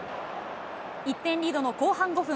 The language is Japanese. １点リードの後半５分。